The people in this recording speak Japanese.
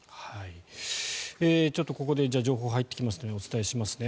ちょっとここで情報が入ってきましたのでお伝えします。